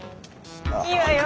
いいわよ。